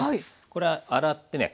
これ洗ってね